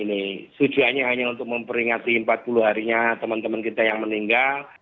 ini ini ini sujuannya hanya untuk memperingati empat puluh harinya temen temen kita yang meninggal